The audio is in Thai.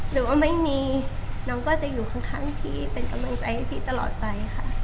หรือว่าไม่มีน้องก็จะอยู่ข้างพี่เป็นกำลังใจให้พี่ตลอดไปค่ะ